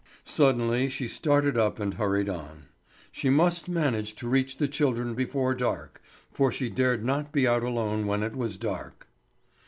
Suddenly she started up and hurried on. She must manage to reach the children before dark, for she dared not be out alone when it was dark.